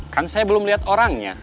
kan saya belum lihat orangnya